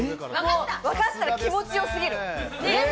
わかったら気持ちよすぎる！